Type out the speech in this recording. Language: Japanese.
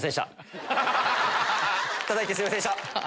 たたいてすいませんでした！